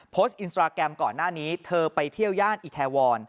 อินสตราแกรมก่อนหน้านี้เธอไปเที่ยวย่านอิทาวร